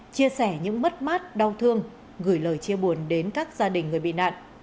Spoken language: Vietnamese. chia sẻ những mất mát đau thương gửi lời chia buồn đến các gia đình người bị nạn